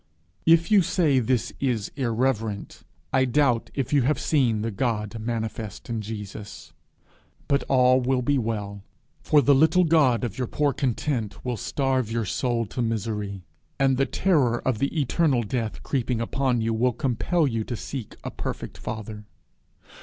If you say this is irreverent, I doubt if you have seen the God manifest in Jesus. But all will be well, for the little god of your poor content will starve your soul to misery, and the terror of the eternal death creeping upon you, will compel you to seek a perfect father.